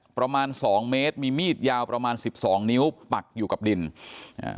ประมาณสองเมตรมีมีดยาวประมาณสิบสองนิ้วปักอยู่กับดินอ่า